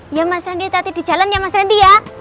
iya mas rendy hati hati di jalan ya mas rendy ya